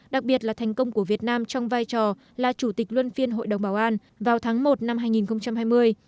đặc biệt là thành công của việt nam trong vai trò là chủ tịch luân phiên hội đồng bảo an vào tháng một năm hai nghìn hai mươi